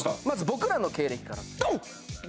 まず僕らの経歴からドン！